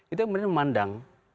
itu kemudian memandang